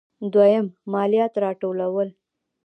دویم: مالیات راټولول.